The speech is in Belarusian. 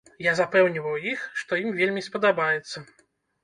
Я запэўніваў іх, што ім вельмі спадабаецца.